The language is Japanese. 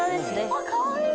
あっかわいい！